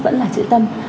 vẫn là trữ tâm